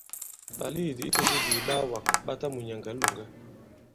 Ɓàlèedì itẽ adi ìɓaawàgà ɓa ta mùnyɛ̀ŋgɛ̀ i ilòŋgɛ.